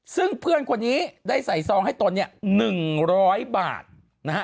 ซึ่งเพื่อนคนนี้ได้ใส่ซองให้ตนเนี่ย๑๐๐บาทนะฮะ